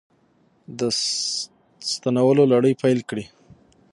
د ستنولو لړۍ پیل کړې